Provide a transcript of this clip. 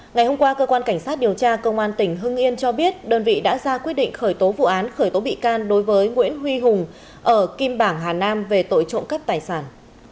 ngày hôm qua cơ quan cảnh sát điều tra công an tỉnh hưng yên cho biết đơn vị đã ra quyết định khởi tố vụ án khởi tố bị can đối với nguyễn huy hùng ở kim bảng hà nam về tội trộm cắp tài sản